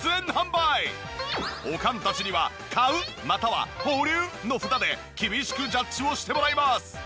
おかんたちには「買う」または「保留」の札で厳しくジャッジをしてもらいます。